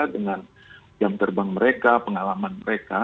dengan jam terbang mereka pengalaman mereka